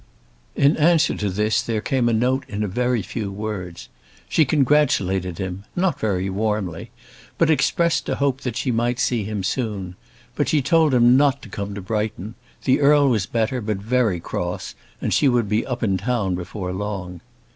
In answer to this there came a note in a very few words. She congratulated him, not very warmly, but expressed a hope that she might see him soon. But she told him not to come to Brighton. The Earl was better but very cross, and she would be up in town before long.